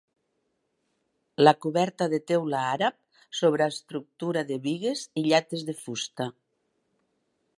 La coberta de teula àrab sobre estructura de bigues i llates de fusta.